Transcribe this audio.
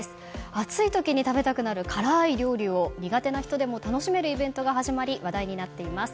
暑い時に食べたくなる辛い料理を苦手な人でも楽しめるイベントが始まり話題になっています。